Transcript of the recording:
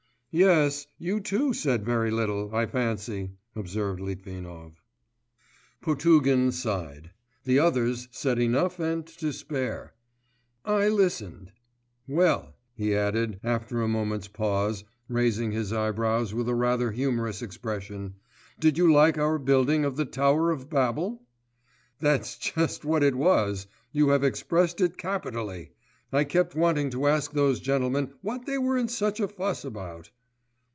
'Yes; you too said very little, I fancy,' observed Litvinov. Potugin sighed. 'The others said enough and to spare. I listened. Well,' he added, after a moment's pause, raising his eyebrows with a rather humorous expression, 'did you like our building of the Tower of Babel?' 'That's just what it was. You have expressed it capitally. I kept wanting to ask those gentlemen what they were in such a fuss about.